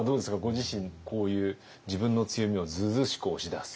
ご自身こういう自分の強みをずうずうしく押し出す。